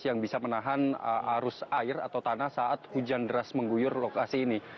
yang bisa menahan arus air atau tanah saat hujan deras mengguyur lokasi ini